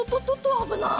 あぶない！